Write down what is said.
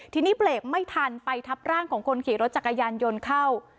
ทีนี้เบรกไม่ทันไปทับร่างของคนขี่รถจักรยานยนต์เข้า